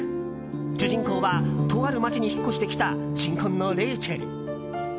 主人公は、とある町に引っ越してきた新婚のレイチェル。